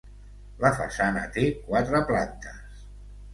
La façana té quatre plantes.